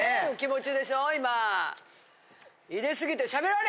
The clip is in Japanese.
今。